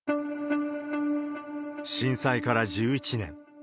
震災から１１年。